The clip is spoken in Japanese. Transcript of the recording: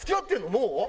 もう？